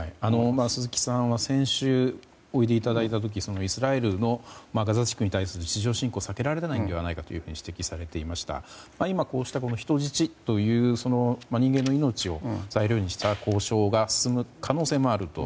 鈴木さんは先週おいでいただいた時にイスラエルのガザ地区に対する地上侵攻は避けられないのではと指摘されていましたが今こうした人質という人間の命を材料にした交渉が進む可能性もあると。